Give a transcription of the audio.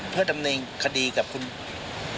เพื่อดำเนินคดีกับคุณอัชริยานะฮะ